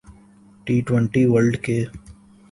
T twenty world ک